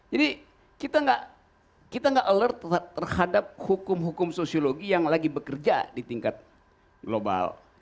jadi kita gak alert terhadap hukum hukum sosiologi yang lagi bekerja di tingkat global